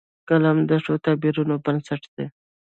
قلم د ښو تعبیرونو بنسټ دی